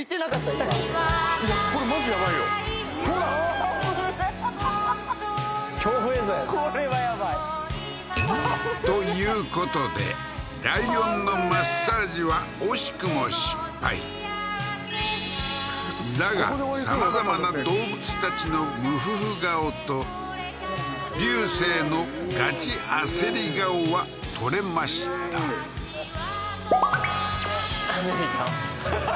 今いやこれマジやばいよほら危ねえははははっ恐怖映像やこれはやばいということでライオンのマッサージは惜しくも失敗だがさまざまな動物たちのムフフ顔と流星のガチ焦り顔は撮れましたははは